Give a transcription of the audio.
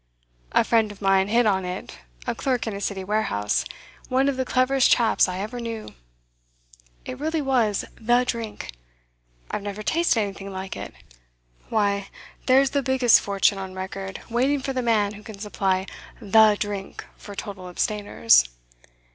A friend of mine hit on it, a clerk in a City warehouse, one of the cleverest chaps I ever knew. It really was the drink; I've never tasted anything like it. Why, there's the biggest fortune on record waiting for the man who can supply the drink for total abstainers.